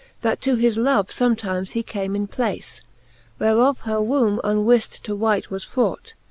That to his love fometimes he came in place, Whereof her wombe unwift to wight was fraught.